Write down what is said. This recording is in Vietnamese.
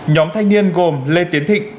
nhóm thanh niên gồm lê tiến thịnh